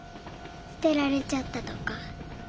すてられちゃったとか。